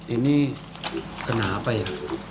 ini kenapa ya